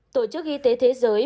tổ chức y tế thế giới